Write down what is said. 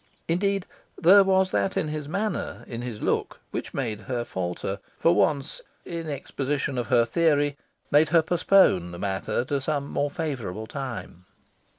Indeed, there was that in his manner, in his look, which made her falter, for once, in exposition of her theory made her postpone the matter to some more favourable time.